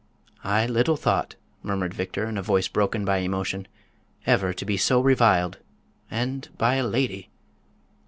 "I little thought," murmured Victor, in a voice broken by emotion, "ever to be so reviled—and by a lady!